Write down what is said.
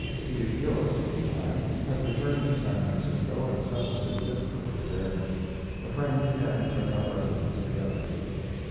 Steve Gillis, meantime, had returned to San Francisco, and settled his difficulties there. The friends again took up residence together.